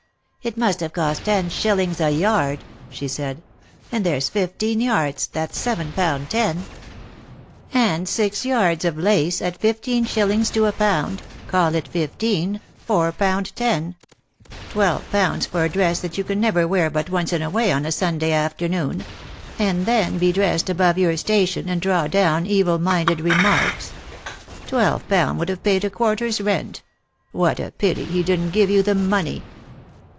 " It must have cost ten shillings a yard," she said ;" and there's fifteen yards, that's seven pound ten ; and six yards of lace, at fifteen shillings to a pound — call it fifteen — four pound ten; twelve pounds for a dress that you can never wear but once in a way on a Sunday afternoon ; and then be dressed above your station and draw down evil minded remarks. Twelve pound would have paid a quarter's rent. What a pity he didn't give you the money